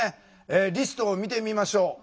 リストを見てみましょう。